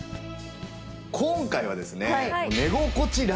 今回はですね。